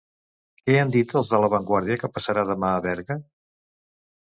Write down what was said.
Què han dit els de "La Vanguardia" que passarà demà a Berga?